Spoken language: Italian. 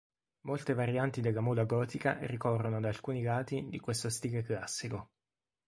Molte varianti della moda gotica ricorrono ad alcuni lati di questo stile classico.